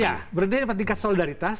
ya berhenti dapat tingkat solidaritas